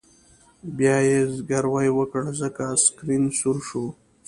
بیا یې زګیروی وکړ ځکه سکرین سور شو